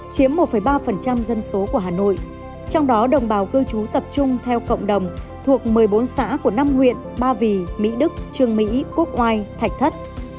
chiếm một ba dân số của hà nội trong đó đồng bào cư trú tập trung theo cộng đồng thuộc một mươi bốn xã của năm huyện ba vì mỹ đức trương mỹ quốc oai thạch thất